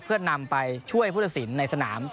เพื่อนำไปช่วยผู้ศิลป์ในสนาม